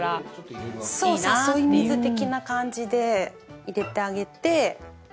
誘い水的な感じで入れてあげて。